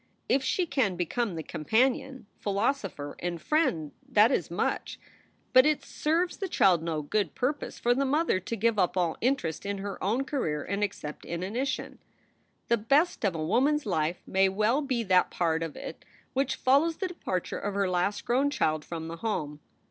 If she can become the compan ion, philosopher, and friend, that is much. But it serves the SOULS FOR SALE 223 child no good purpose for the mother to give up all interest in her own career and accept inanition. The best of a woman s life may well be that part of it which follows the departure of her last grown child from the home.